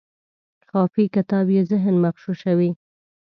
خافي کتاب یې ذهن مغشوشوي.